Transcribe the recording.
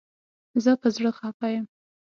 زه په زړه خپه یم